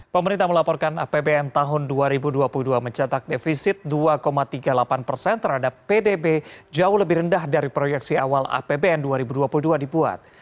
pemerintah melaporkan apbn tahun dua ribu dua puluh dua mencatat defisit dua tiga puluh delapan persen terhadap pdb jauh lebih rendah dari proyeksi awal apbn dua ribu dua puluh dua dibuat